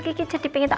kiki jadi pengen tuh